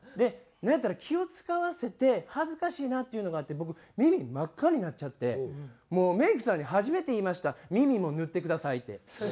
なんやったら気を使わせて恥ずかしいなっていうのがあって僕耳真っ赤になっちゃってもうメイクさんに初めて言いました「耳も塗ってください」って。